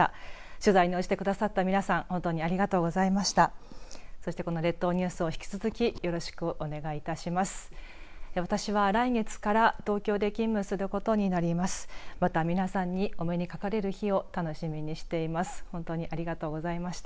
取材に応じてくださった皆さん本当にありがとうございました。